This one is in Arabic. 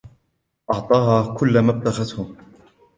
أعطاها كل ما ابتغته.